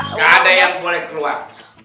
nggak ada yang boleh keluar